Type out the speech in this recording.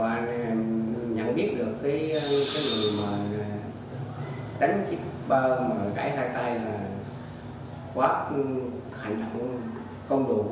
và nhận biết được cái người mà đánh chiếc bơ mà gãy hai tay là quá hạnh phúc không đủ quá